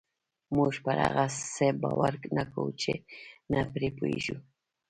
موږ پر هغه څه باور نه کوو چې نه پرې پوهېږو.